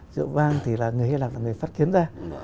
rượu vang thì là người hy lạp là người phát kiến ra